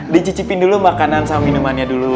dicicipin dulu makanan sama minumannya dulu